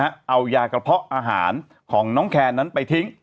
เอายากระเพาะอาหารของน้องแคนนั้นไปทิ้ง